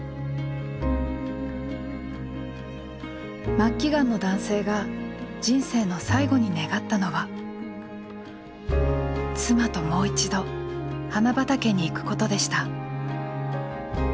末期がんの男性が人生の最後に願ったのは「妻ともう一度花畑に行くこと」でした。